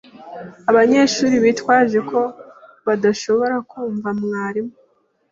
Abanyeshuri bitwaje ko badashobora kumva mwarimu.